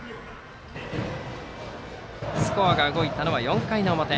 スコアが動いたのは４回の表。